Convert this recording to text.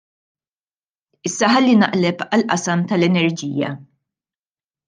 Issa ħalli naqleb għall-qasam tal-enerġija.